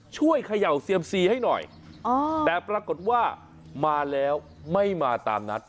เขย่าเซียมซีให้หน่อยแต่ปรากฏว่ามาแล้วไม่มาตามนัด